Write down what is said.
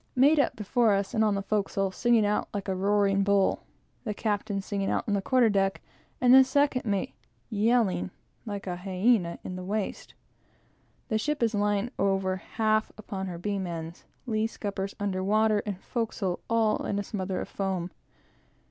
Mate up before us, and on the forecastle, singing out like a roaring bull; the captain singing out on the quarter deck, and the second mate yelling, like a hyena, in the waist. The ship is lying over half upon her beam ends; lee scuppers under water, and forecastle all in a smother of foam.